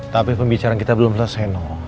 tapi pembicaraan kita belum selesai